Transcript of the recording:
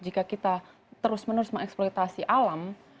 jika kita terus menerus mengeksploitasi alam